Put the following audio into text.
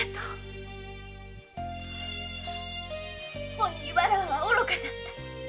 ほんにわらわは愚かじゃった。